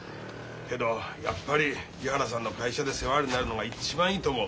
けどやっぱり木原さんの会社で世話になるのが一番いいと思う。